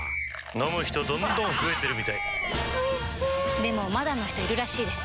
飲む人どんどん増えてるみたいおいしでもまだの人いるらしいですよ